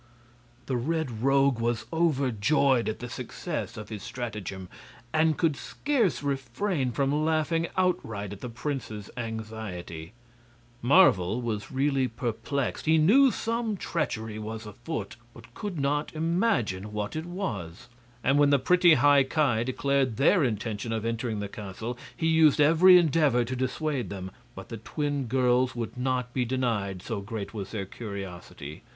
The Red Rogue was overjoyed at the success of his stratagem, and could scarce refrain from laughing outright at the prince's anxiety. Marvel was really perplexed. He knew some treachery was afoot, but could not imagine what it was. And when the pretty High Ki declared their intention of entering the castle, he used every endeavor to dissuade them. But the twin girls would not be denied, so great was their curiosity.